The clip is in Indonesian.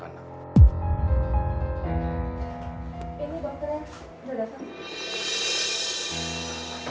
ini dokternya sudah datang